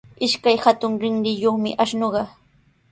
Ishkay hatun rinriyuqmi ashnuqa.